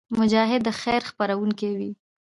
مجاهد د خیر خپرونکی وي.